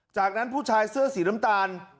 จากนั้นผู้ชายเสื้อสีน้ำตาล